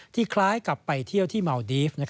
คล้ายกับไปเที่ยวที่เมาดีฟ